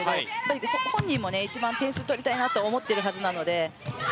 本人も一番点数取りたいと思っているはずです。